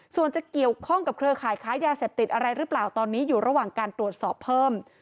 ส่วนจะเกี่ยวข้องกับเครือข่ายค้ายาเสพติดอะไรหรือเปล่าตอนนี้อยู่ระหว่างการตรวจสอบเพิ่ม